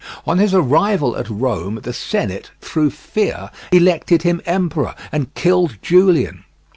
On his arrival at Rome, the Senate, through fear, elected him emperor and killed Julian.